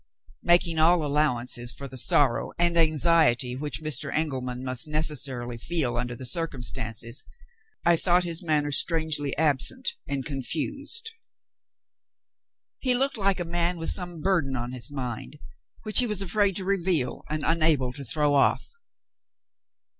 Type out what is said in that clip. Making all allowances for the sorrow and anxiety which Mr. Engelman must necessarily feel under the circumstances, I thought his manner strangely absent and confused. He looked like a man with some burden on his mind which he was afraid to reveal and unable to throw off.